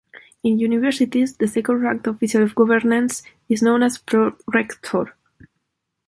In universities, the second-ranked official of governance is known as "prorektor".